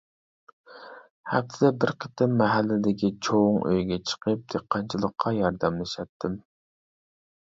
ھەپتىدە بىر قېتىم مەھەللىدىكى چوڭ ئۆيگە چىقىپ دېھقانچىلىققا ياردەملىشەتتىم.